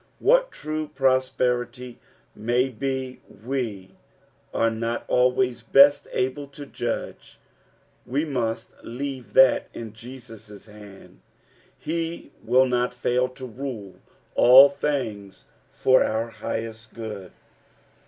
What true prosperity may be we are not always best able to judge. We must leave that ID Jeaos' hand ; he will not foil to rule all things for our highest good.